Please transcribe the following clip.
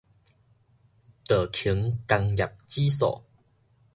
道瓊工業指數